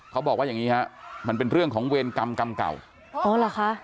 เขาบอกว่าอย่างงี้ฮะมันเป็นเรื่องของเวรกรรมกรรมเก่าอ๋อเหรอคะ